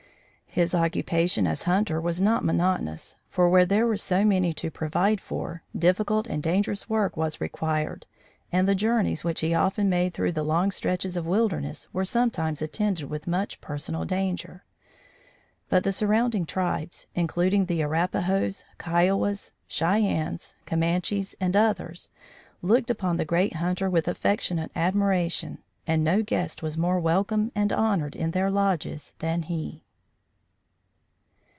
His occupation as hunter was not monotonous, for where there were so many to provide for, difficult and dangerous work was required and the journeys which he often made through the long stretches of wilderness were sometimes attended with much personal danger. But the surrounding tribes, including the Arapahoes, Kiowas, Cheyennes, Comanches and others, looked upon the great hunter with affectionate admiration and no guest was more welcome and honored in their lodges than he.